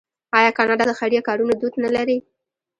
آیا کاناډا د خیریه کارونو دود نلري؟